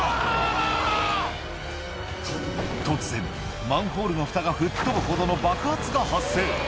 突然マンホールのふたが吹っ飛ぶほどの爆発が発生